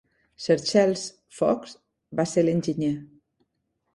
Sir Charles Fox va ser l'enginyer.